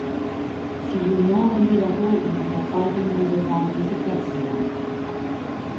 Die Junioren wiederholten in der folgenden Saison diese Platzierung.